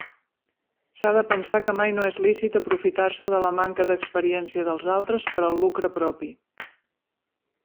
S'ha de pensar que mai no és lícit aprofitar-se de la manca d'experiència dels altres per al lucre propi.